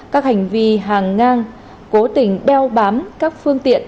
các hành vi hàng ngang cố tình đeo bám các phương tiện